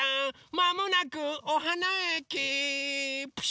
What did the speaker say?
まもなくおはなえき。